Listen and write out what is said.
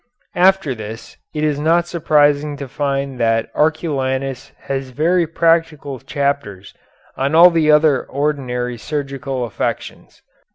After this it is not surprising to find that Arculanus has very practical chapters on all the other ordinary surgical affections.